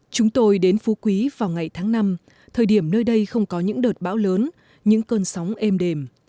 chúng tôi đến phú quý vào ngày tháng năm thời điểm nơi đây không có những đợt bão lớn những cơn sóng êm đềm